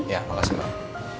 ya makasih banget